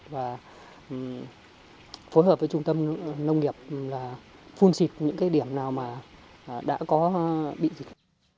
và phối hợp với trung tâm nông nghiệp là phun xịt những cái điểm nào mà đã có bị dịch